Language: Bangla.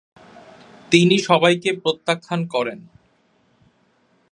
তিনি সবাইকেই প্রত্যাখ্যান করেন।